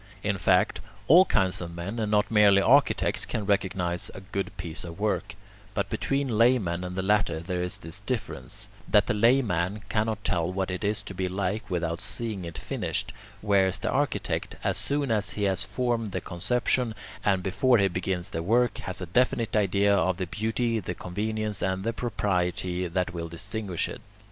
In fact, all kinds of men, and not merely architects, can recognize a good piece of work, but between laymen and the latter there is this difference, that the layman cannot tell what it is to be like without seeing it finished, whereas the architect, as soon as he has formed the conception, and before he begins the work, has a definite idea of the beauty, the convenience, and the propriety that will distinguish it.